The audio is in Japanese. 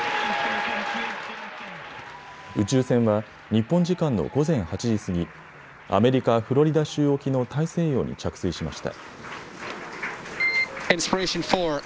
宇宙船は日本時間の午前８時過ぎ、アメリカ・フロリダ州沖の大西洋に着水しました。